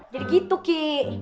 jadi gitu ki